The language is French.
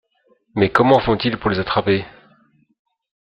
Mais comment font-ils pour les attraper?